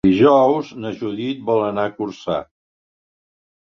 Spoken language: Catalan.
Dijous na Judit vol anar a Corçà.